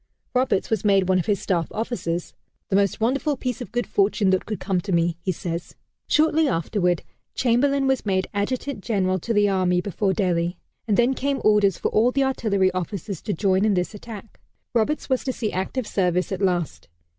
Roberts was made one of his staff officers "the most wonderful piece of good fortune that could come to me," he says. Shortly afterward, Chamberlain was made Adjutant General to the Army before Delhi, and then came orders for all the artillery officers to join in this attack. Roberts was to see active service at last.